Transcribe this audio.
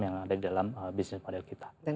yang ada di dalam bisnis model kita